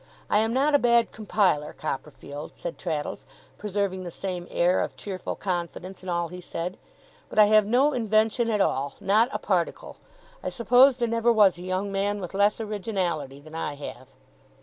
I am not a bad compiler, Copperfield,' said Traddles, preserving the same air of cheerful confidence in all he said, 'but I have no invention at all; not a particle. I suppose there never was a young man with less originality than I have.